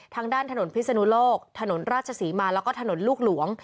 ทางด้านถนนพิศนุโลกถนนราชศรีมาแล้วก็ถนนลูกหลวง